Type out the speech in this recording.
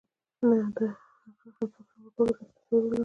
نه د هغه همفکره وګړو داسې تصور درلود.